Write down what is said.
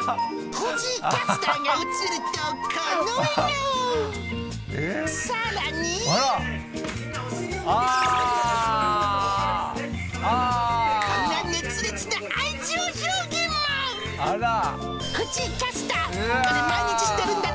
藤井キャスター、これ、毎日してるんだって。